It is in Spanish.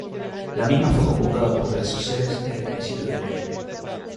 La misma fue convocada por redes sociales desde principios de enero.